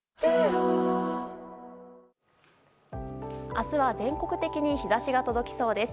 明日は全国的に日差しが届きそうです。